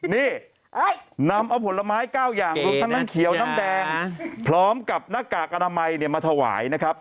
นี่นำเอาผลไม้๙อย่างรวมทั้งน้ำเขียวน้ำแดงพร้อมกับหน้ากากอนามัยมาถวายนะครับ